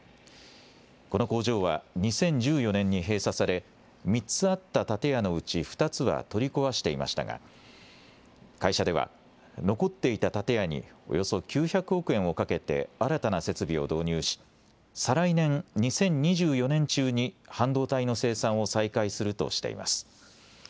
この工場は２０１４年に閉鎖され３つあった建屋のうち２つは取り壊していましたが会社では残っていた建屋におよそ９００億円をかけて新たな設備を導入し再来年２０２４年中に半導体の生産を再開するとしています。